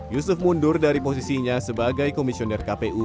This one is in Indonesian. yusuf mundur dari posisinya sebagai komisioner kpu